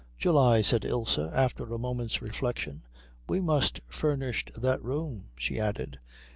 "July," said Ilse, after a moment's reflection. "We must furnish that room," she added.